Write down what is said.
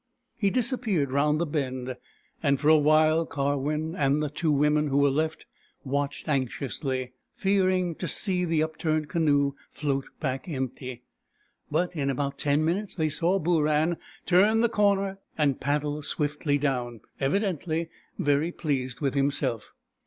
He disappeared round the bend, and for awhile Karwin and the two women who were left w^atched anxiously, fearing to see the upturned canoe float back empty. But in about ten minutes they saw Booran turn the corner and paddle swiftly down, evidently very pleased with himself.